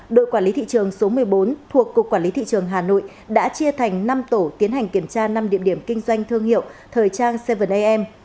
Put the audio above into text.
đội quản lý thị trường số một mươi bốn thuộc cục quản lý thị trường hà nội đã chia thành năm tổ tiến hành kiểm tra năm địa điểm kinh doanh thương hiệu thời trang seven am